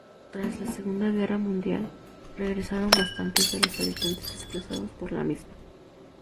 Tras la Segunda Guerra Mundial regresaron bastantes de los habitantes desplazados por la misma.